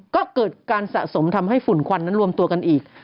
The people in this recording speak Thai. ก็เกิดการสะสมทำให้ฝุ่นควันนั้นรวมตัวกันอีก